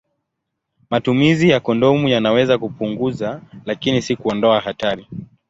Matumizi ya kondomu yanaweza kupunguza, lakini si kuondoa hatari.